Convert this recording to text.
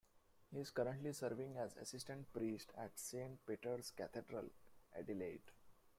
He is currently serving as Assistant Priest at Saint Peter's Cathedral, Adelaide.